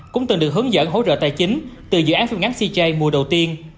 cũng từng được hướng dẫn hỗ trợ tài chính từ dự án phim ngắn cj đầu tiên